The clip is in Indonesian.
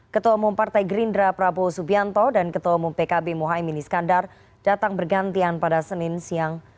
ketua umum partai gerindra prabowo subianto dan ketua umum pkb mohaimin iskandar datang bergantian pada senin siang